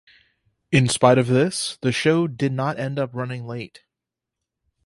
In spite of this, the show did not end up running late.